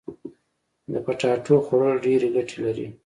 د پټاټو خوړل ډيري ګټي لري.